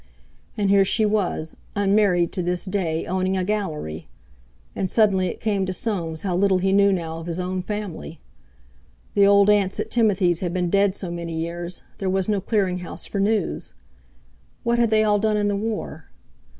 And here she was, unmarried to this day, owning a Gallery!... And suddenly it came to Soames how little he knew now of his own family. The old aunts at Timothy's had been dead so many years; there was no clearing house for news. What had they all done in the War?